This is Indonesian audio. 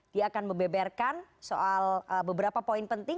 dia akan membeberkan soal beberapa poin penting